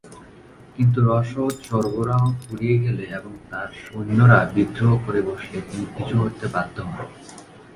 কিন্তু রসদ সরবরাহ ফুরিয়ে গেলে এবং তার সৈন্যরা বিদ্রোহ করে বসলে তিনি পিছু হটতে বাধ্য হন।